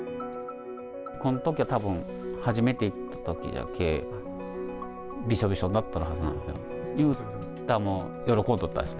このときはたぶん、初めて行ったときじゃけ、びしょびしょになっとるはずなんですよ。